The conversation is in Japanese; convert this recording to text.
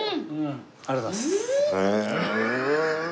ありがとうございます。